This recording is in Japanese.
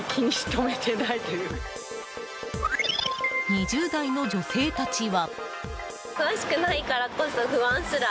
２０代の女性たちは。